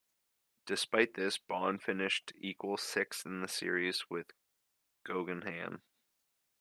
Despite this, Bond finished equal sixth in the series with Geoghegan.